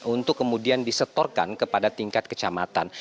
untuk kemudian disetorkan kepada tingkat kecamatan